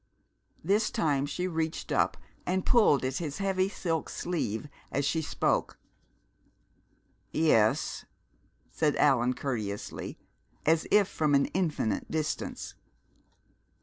_" This time she reached up and pulled at his heavy silk sleeve as she spoke. "Yes," said Allan courteously, as if from an infinite distance.